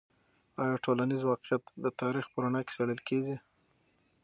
آیا ټولنیز واقعیت د تاریخ په رڼا کې څیړل کیږي؟